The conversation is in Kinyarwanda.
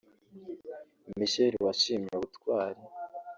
Michelle washimye ubutwari